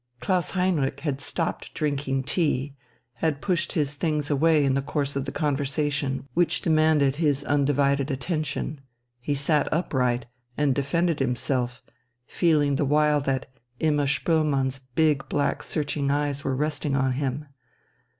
Klaus Heinrich had stopped drinking tea, had pushed his things away in the course of the conversation which demanded his undivided attention. He sat upright and defended himself, feeling the while that Imma Spoelmann's big, black, searching eyes were resting on him.